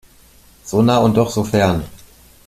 So nah und doch so fern!